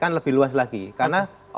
saya serius di isi kesukaan